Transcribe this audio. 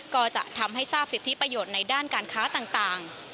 ก็จะทำให้ทราบสิทธิประโยชน์ในด้านการค้าต่าง